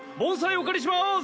お借りしまーす！